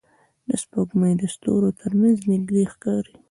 سپوږمۍ د ستورو تر منځ نږدې ښکاري